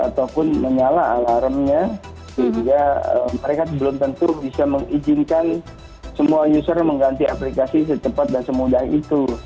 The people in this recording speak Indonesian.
ataupun menyala alarmnya sehingga mereka belum tentu bisa mengizinkan semua user mengganti aplikasi secepat dan semudah itu